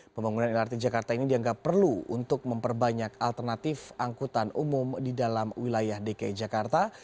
pembangunan lrt jakarta ini dianggap perlu untuk memperbanyak alternatif angkutan umum di dalam wilayah dki jakarta